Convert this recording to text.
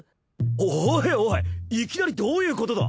おいおいいきなりどういうことだ？